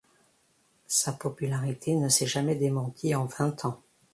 Sa popularité ne s’est jamais démentie en vingt ans.